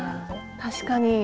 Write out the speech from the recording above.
確かに。